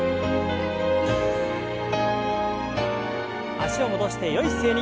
脚を戻してよい姿勢に。